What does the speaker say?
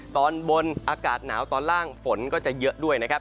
ตอนบนอากาศหนาวตอนล่างฝนก็จะเยอะด้วยนะครับ